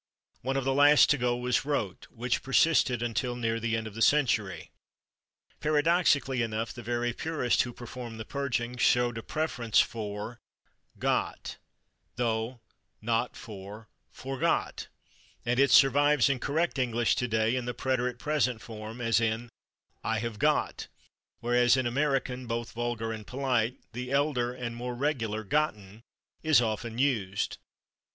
One of the last to go was /wrote/, which persisted until near the end of the century. Paradoxically enough, the very purists who performed the purging showed a preference for /got/ (though not for /forgot/), and it survives in correct English today in the preterite present form, as in "I have /got/," whereas in American, both vulgar and polite, the elder and more regular /gotten/ is often used.